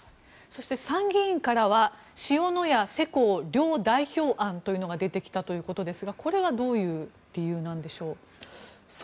そして参議院からは塩谷・世耕両代表案というのが出てきたということですがこれはどういう理由なんでしょう。